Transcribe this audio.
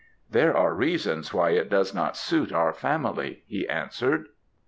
"'There are reasons why it does not suit our family,' he answered.